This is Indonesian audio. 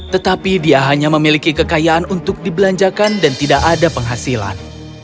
tetapi dia hanya memiliki kekayaan untuk dibelanjakan dan tidak ada penghasilan